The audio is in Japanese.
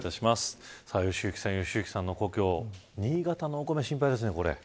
良幸さんの故郷新潟のお米、心配ですね。